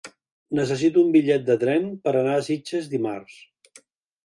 Necessito un bitllet de tren per anar a Sitges dimarts.